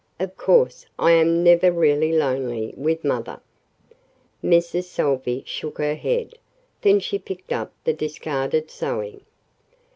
"Of course, I am never really lonely with mother." Mrs. Salvey shook her head. Then she picked up the discarded sewing.